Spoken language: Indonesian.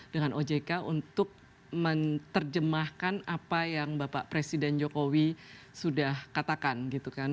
dengan ojk untuk menerjemahkan apa yang bapak presiden jokowi sudah katakan gitu kan